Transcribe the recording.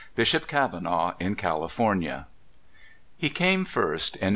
BISHOP KAVANAUGH IN CALIFORNIA. HE came first in 1856.